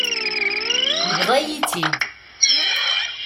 Yebḍa-yi-tt-id.